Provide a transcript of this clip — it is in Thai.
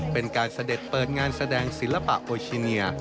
เป็นการเสด็จเปิดงานแสดงศิลปะโอชิเนีย